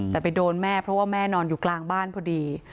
แต่ไปโดนแม่เพราะว่าแม่นอนอยู่กลางบ้านพอดี